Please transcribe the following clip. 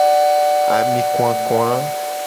Ami vava.